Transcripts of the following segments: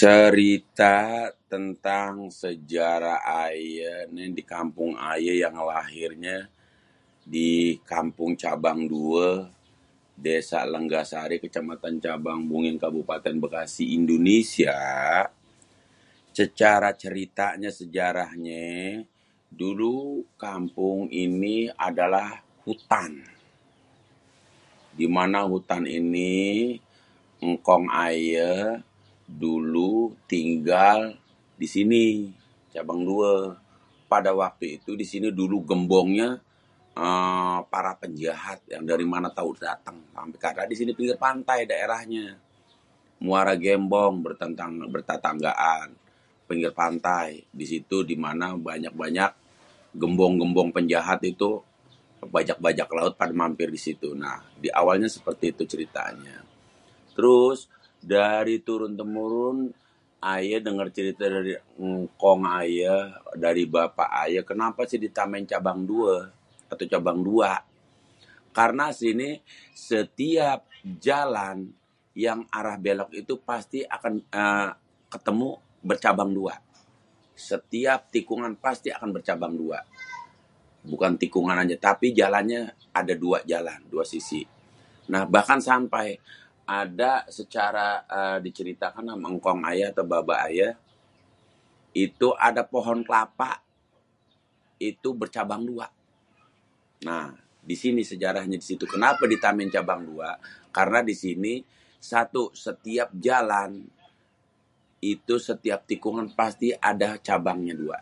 Cerita tentang sejarah ayé nih di kampung ayé yang lahirnya di Kampung Cabang Due, Desa Lenggahsari, Kecamatan Cabang Muin, Kabupaten Bekasi, Indonesia. Cecara ceritanya sejarahnyé dulu kampung ini adalah hutan, di mana hutan ini engkong aye tinggal di sini Cabang Due. Pada waktu itu di sini gembongnya para penjahat yang dari mana tau dateng ampe disini pinggir pantai daerahnyé Muara Gembong bertetanggaan pinggir pantai, di situ di mana banyak gembong-gembong penjahat itu bajak-bajak laut pada mampir di situ. Nah di awalnya seperti itu ceritanya, terus dari turun temurun aye denger cerita dari ngkong aye dari bapak aye kan kenapa sih dinamain cabang due atau cabang dua, karena sini setiap jalan yang arah belok itu pasti akan ketemu becabang dua. Setiap tikungan pasti akan becabang dua, bukan tikungan aja tapi jalannye ada dua jalan sisi. Nah bahkan sampai ada secara diceritakan ama engkong ayé atau baba aye itu ada pohon kelapa itu becabang dua. Nah di situ sejarahnya situ kenapa dinamain cabang dua, karena di sini setiap jalan itu setiap tikungan pasti ada cabangnya dua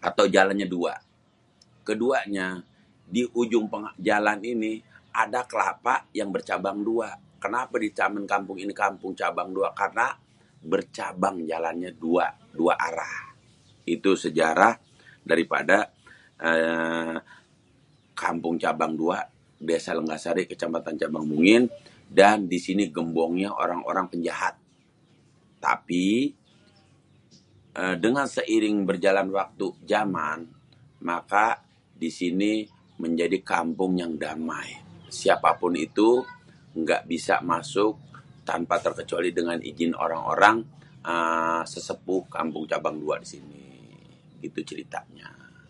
atau jalannya dua, keduanya di ujung jalan ini ada kelapa yang becabang dua. Kenapa dinamain kampung cabang dua? karena bercabang jalannya dua arah. Itu sejarah dari pada kampung cabang dua desa lenggahsari kecamatan cabang muin dan di sini gembongnya para penjahat tapi dengan seiring berjalan waktu jaman, maka di sini menjadi kampung yang damai. Siapa pun itu ngga bisa masuk tanpa terkecuali dengan ijin orang-orang uhm sesepuh kampung cabang dua di sini, gitu ceritanya.